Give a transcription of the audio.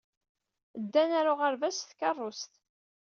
Ddan ɣer uɣerbaz s tkeṛṛust.